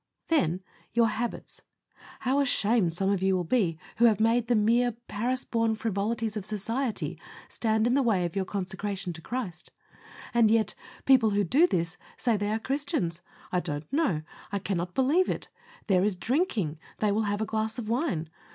Then, your habits. How ashamed some of you will be who have made the mere Paris born frivolities of society stand in the way of your consecration to Christ; and yet people who do this say they are Christians. I don't know; I cannot believe it. There is drinking; they will have a glass of wine.